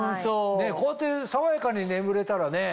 こうやって爽やかに眠れたらね